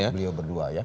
ya beliau berdua ya